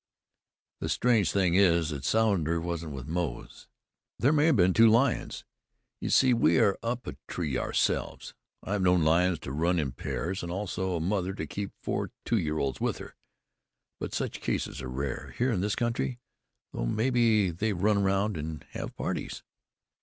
The strange thing is that Sounder wasn't with Moze. There may have been two lions. You see we are up a tree ourselves. I have known lions to run in pairs, and also a mother keep four two year olds with her. But such cases are rare. Here, in this country, though, maybe they run round and have parties."